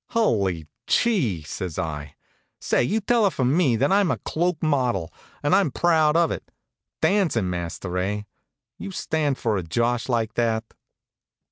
"Hully chee!" says I. "Say, you tell her from me that I'm a cloak model, an' proud of it. Dancin' master, eh? Do you stand for a josh like that?"